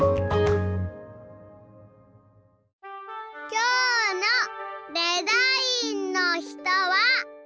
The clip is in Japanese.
きょうの「デザインの人」は。